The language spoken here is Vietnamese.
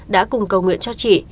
đã cùng cầu nguyện cho chị